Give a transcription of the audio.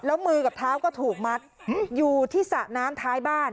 แล้วมือกับเท้าก็ถูกมัดอยู่ที่สระน้ำท้ายบ้าน